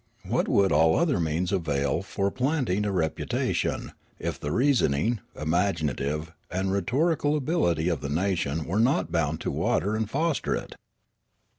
What would all other means avail for planting a reputation, if the reasoning, imaginative, and rhetorical ability of the nation were not bound to water and foster it